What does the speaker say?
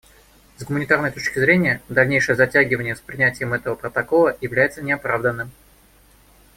С гуманитарной точки зрения, дальнейшее затягивание с принятием этого протокола является неоправданным.